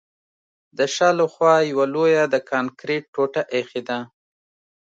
د شا له خوا یوه لویه د کانکریټ ټوټه ایښې ده